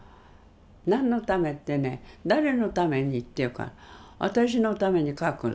「何のため」ってね「誰のために」って言うから「私のために描く」。